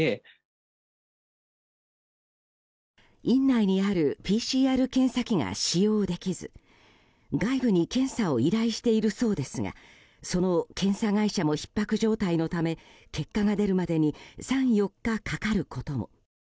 院内にあるＰＣＲ検査機が使用できず外部に検査を依頼しているそうですがその検査会社もひっ迫状態のため結果が出るまでに３４日かかることも。